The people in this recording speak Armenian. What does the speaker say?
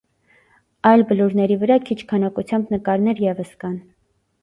Այլ բլուրների վրա քիչ քանակությամբ նկարներ ևս կան։